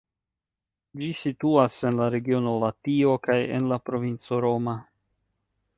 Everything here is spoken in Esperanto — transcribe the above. Ĝi situas en la regiono Latio kaj en la provinco Roma.